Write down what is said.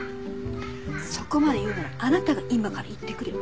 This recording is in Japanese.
そこまで言うならあなたが今から行ってくれば？